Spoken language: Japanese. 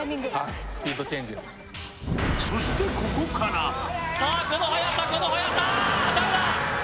はいそしてここからさあこの速さこの速さああダメだ！